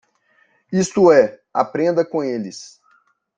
Isto é, aprenda com eles.